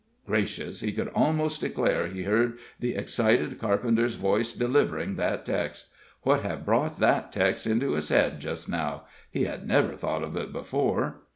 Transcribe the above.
Gracious! he could almost declare he heard the excited carpenter's voice delivering that text. What had brought that text into his head just now? he had never thought of it before.